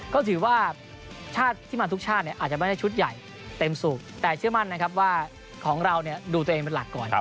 ก็ถือว่าชาติที่มาทุกชาติอาจจะไม่ได้ชุดใหญ่เต็มสูบแต่เชื่อมั่นนะครับว่าของเราดูตัวเองเป็นหลักก่อน